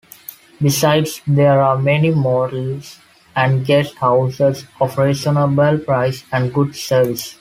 Besides, there are many motels and guest-houses of reasonable price and good service.